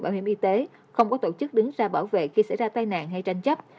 bảo hiểm y tế không có tổ chức đứng ra bảo vệ khi xảy ra tai nạn hay tranh chấp